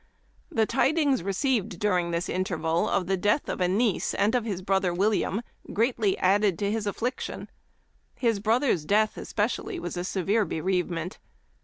The tidings re ceived during this interval, of the death of a niece and of his brother William, greatly added to his affliction. His brother's death especially ; was a severe bereavement.